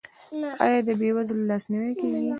آیا د بې وزلو لاسنیوی کیږي؟